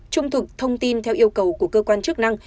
trung thực thông tin theo yêu cầu của cơ quan chức năng